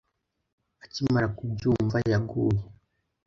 akimara kubyumva yaguye